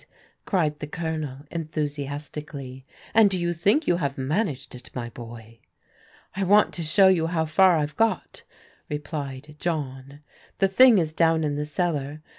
" cried the Colonel enthusias tically. " And do you think you have managed it, mj; boy?'' I want to show you how far I've got," replied John. The thing is down in the cellar.